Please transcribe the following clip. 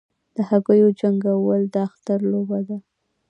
د هګیو جنګول د اختر لوبه ده.